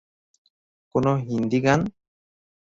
- কোন হিন্দী গান?